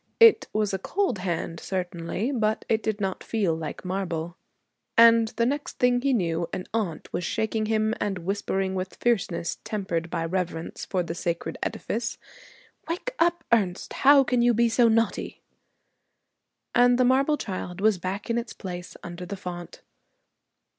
It was a cold hand certainly, but it did not feel like marble. And the next thing he knew, an aunt was shaking him and whispering with fierceness tempered by reverence for the sacred edifice, 'Wake up, Ernest. How can you be so naughty?' And the marble child was back in its place under the font.